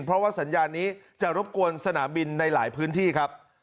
เพราะว่าสัญญานี้จะรบกวนสนามบินในหลายพื้นที่ครับ